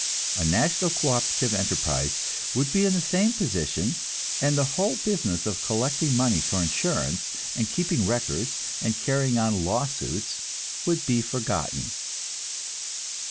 A national co operative enterprise would be in the same position, and the whole business of collecting money for insurance and keeping records and carrying on lawsuits would be forgotten.